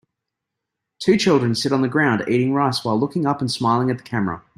Two children sit on the ground eating rice while looking up and smiling at the camera.